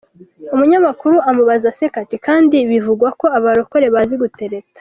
Umunyamakuru amubaza aseka ati “kandi bivugwa ko abarokore bazi gutereta?”.